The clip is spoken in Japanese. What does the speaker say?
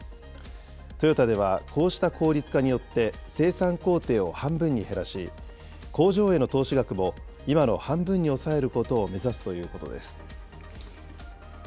トヨタではこうした効率化によって生産工程を半分に減らし、工場への投資額も今の半分に抑えることを目指すということです。